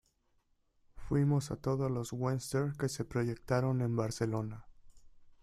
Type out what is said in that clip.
Fuimos a todos los "westerns" que se proyectaron en Barcelona.